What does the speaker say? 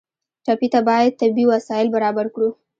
ټپي ته باید طبي وسایل برابر کړو.